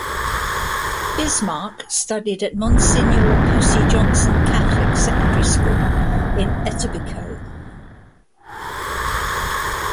Bismark studied at Monsignor Percy Johnson Catholic Secondary School in Etobicoke.